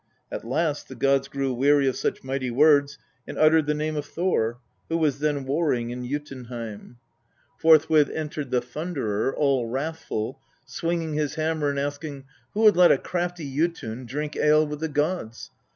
At last the gods grew weary of such mighty words and uttered the name of Thor, who was then warring in Jotunheiui. Forthwith INTRODUCTION. XLVII entered the Thunderer, all wrathful, swinging his hammer and asking, " Who had let a crafty Jotun drink ale with the gods?